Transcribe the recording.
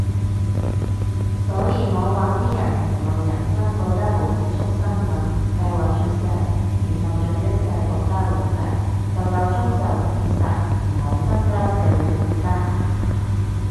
所以我話啲人成個人生過得好似畜牲噉，計劃出世，然後做一世國家奴隸，夠夠鐘就自殺，唔好增加社會負擔